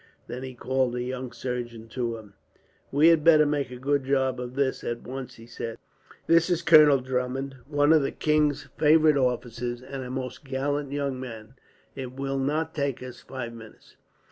Then he called a young surgeon to him. "We had better make a good job of this, at once," he said. "This is Colonel Drummond, one of the king's favourite officers, and a most gallant young fellow. It will not take us five minutes."